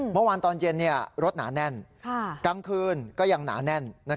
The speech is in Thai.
เมื่อวานตอนเย็นรถหนาแน่นกลางคืนก็ยังหนาแน่น